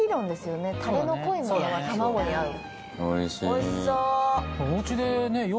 おいしそう。